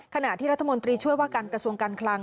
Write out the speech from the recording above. ขณะที่รัฐมนตรีช่วยว่าการกระทรวงการคลัง